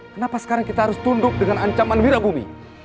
kenapa sekarang kita harus tunduk dengan ancaman wirabumi